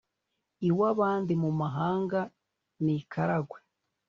iw’abandi: mu mahanga ni i karagwe